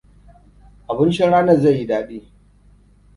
Abincin ranar zai yi daɗi.